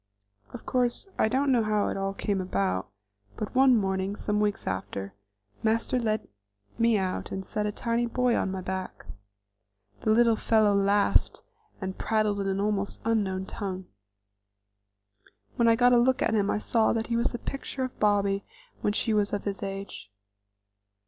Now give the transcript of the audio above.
Of course, I don't know how it all came about, but one morning, some weeks after, Master led me out and set a tiny boy on my back. The little fellow laughed and prattled in an almost unknown tongue. When I got a look at him I saw that he was the picture of Bobby when she was of his age.